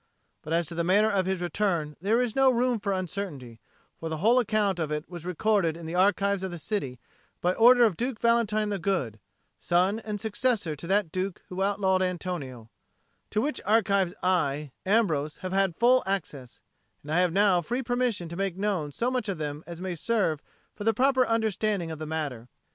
But as to the manner of his return there is no room for uncertainty, for the whole account of it was recorded in the archives of the city by order of Duke Valentine the Good, son and successor to that Duke who outlawed Antonio; to which archives I, Ambrose, have had full access; and I have now free permission to make known so much of them as may serve for the proper understanding of the matter.